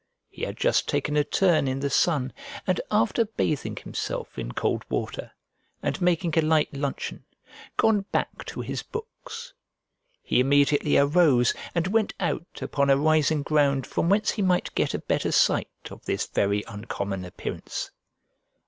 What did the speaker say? He had just taken a turn in the sun and, after bathing himself in cold water, and making a light luncheon, gone back to his books: he immediately arose and went out upon a rising ground from whence he might get a better sight of this very uncommon appearance.